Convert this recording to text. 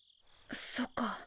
そっか。